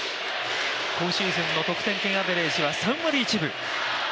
今シーズンの得点圏アベレージは３割１分。